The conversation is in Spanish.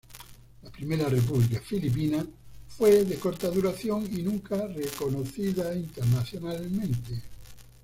La Primera República Filipina fue de corta duración y nunca reconocida internacionalmente.